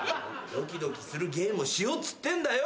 ドキドキするゲームしよっつってんだよ！